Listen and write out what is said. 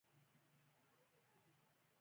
ګڼ اړخيزه مشاهده کوئ -